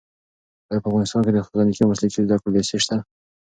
ایا په افغانستان کې د تخنیکي او مسلکي زده کړو لیسې شته؟